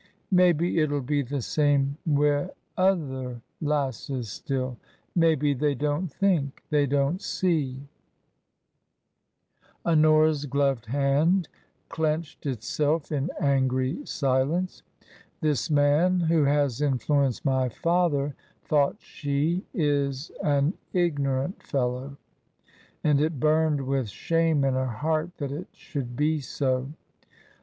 Maybe it'll be the same wi' other lasses still ? Maybe they don't think ? They don't see ?" Honora's gloved hand clenched itself in angry silence. "This man who has influenced my father," thought she, " is an ignorant fellow." And it burned with shame in her heart that it should be so.